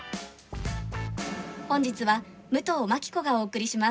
本日は武藤槙子がお送りします。